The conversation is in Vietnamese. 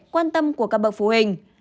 quan tâm của các bậc phụ huynh